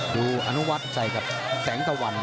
อนุวัฒน์ใส่กับแสงตะวัน